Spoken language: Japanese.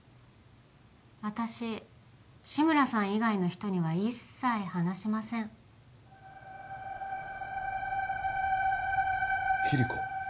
私志村さん以外の人には一切話しませんキリコ？